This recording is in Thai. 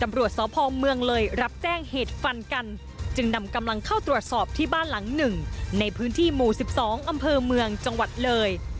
ตำรวจสพเมืองเลยรับแจ้งเหตุฟันกันจึงนำกำลังเข้าตรวจสอบที่บ้านหลังหนึ่งในพื้นที่หมู่๑๒อำเภอเมืองจังหวัดเลย